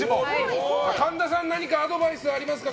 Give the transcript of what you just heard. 神田さん何かアドバイスありますか？